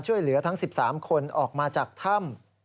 ช่วยเหลือทั้ง๑๓คนออกมาจากถ้ำ